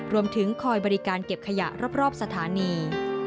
รวมถึงคอยบริการเก็บขยะรอบสถานี